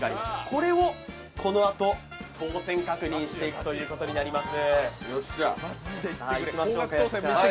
これをこのあと当選確認していくということになります。